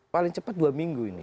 paling cepat dua minggu ini